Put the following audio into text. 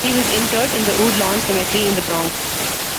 He was interred in the Woodlawn Cemetery in The Bronx.